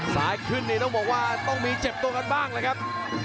ซ้ายขึ้นนี่ต้องบอกว่าต้องมีเจ็บตัวกันบ้างเลยครับ